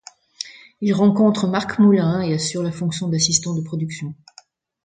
Il rencontre Marc Moulin et assure la fonction d'assistant de production.